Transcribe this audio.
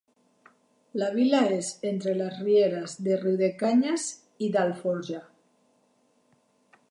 La vila és entre les rieres de Riudecanyes i d'Alforja.